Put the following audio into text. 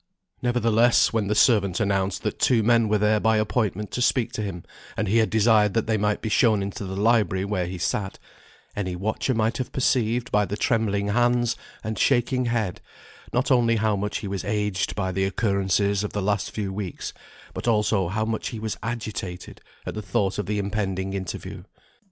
Nevertheless, when the servant announced that two men were there by appointment to speak to him, and he had desired that they might be shown into the library where he sat, any watcher might have perceived by the trembling hands, and shaking head, not only how much he was aged by the occurrences of the last few weeks, but also how much he was agitated at the thought of the impending interview.